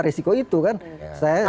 resiko itu kan saya